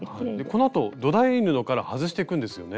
このあと土台布から外していくんですよね。